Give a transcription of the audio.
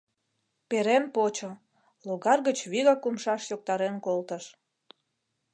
Перен почо, логар гыч вигак умшаш йоктарен колтыш.